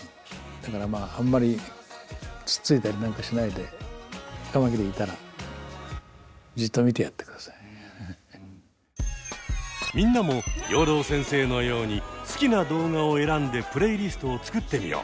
だからあんまりつっついたりなんかしないでカマキリいたらみんなも養老先生のように好きな動画を選んでプレイリストを作ってみよう。